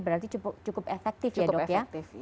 berarti cukup efektif ya dok ya cukup efektif